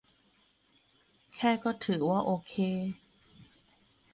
แค่ก็ถือว่าโอเค